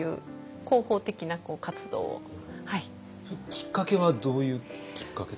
きっかけはどういうきっかけだった？